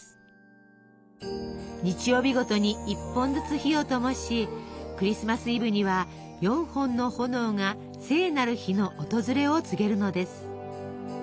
日曜日ごとに１本ずつ火をともしクリスマスイブには４本の炎が聖なる日の訪れを告げるのです。